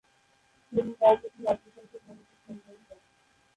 প্রথম কয়েক বছরে অল্প সংখ্যক মানুষ ইসলাম গ্রহণ করে।